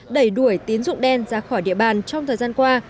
đẩy đuổi tín dụng đen ra khỏi địa bàn trong thời gian qua